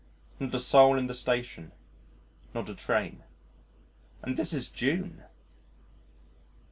Not a soul in the station. Not a train. And this is June!